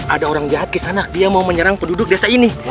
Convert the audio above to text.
ada orang jahat ke sana dia mau menyerang penduduk desa ini